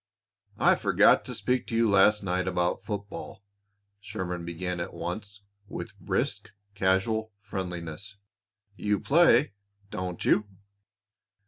"I forgot to speak to you last night about football," Sherman began at once with brisk, casual friendliness. "You play, don't you?"